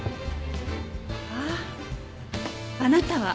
あっあなたは！